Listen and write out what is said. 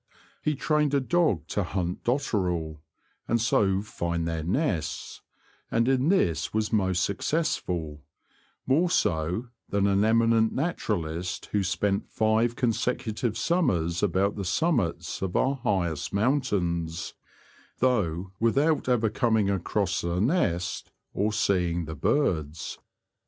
He trained a dog to hunt dotterel, and so find their nests, and in this was most successful — more so than an emi nent naturalist who spent five consecutive summers about the summits of our highest mountains, though without ever coming across a nest or seeing the birds.